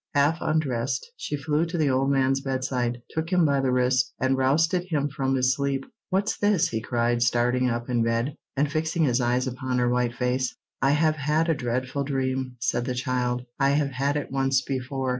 Half undressed, she flew to the old man's bedside, took him by the wrist, and roused him from his sleep. "What's this?" he cried, starting up in bed, and fixing his eyes upon her white face. "I have had a dreadful dream," said the child. "I have had it once before.